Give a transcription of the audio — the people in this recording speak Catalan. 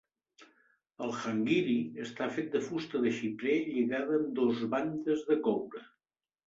El "hangiri" està fet de fusta de xiprer lligada amb dos bandes de coure.